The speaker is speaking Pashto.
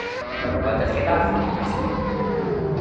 وعده خلاف مه اوسئ.